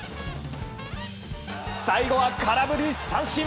最後は空振り三振！